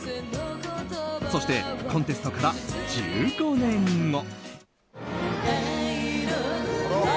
そして、コンテストから１５年後。